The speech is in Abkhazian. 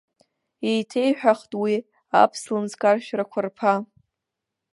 Еиҭеиҳәахт уи, аԥслымӡ каршәрақәа рԥа.